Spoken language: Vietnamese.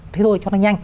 thế thôi cho nó nhanh